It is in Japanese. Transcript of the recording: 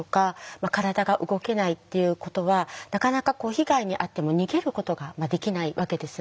体が動けないっていうことはなかなか被害に遭っても逃げることができないわけですね。